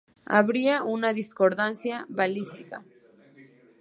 Habría una discordancia balística.